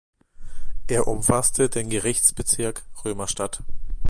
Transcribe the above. Er umfasste den Gerichtsbezirk Römerstadt.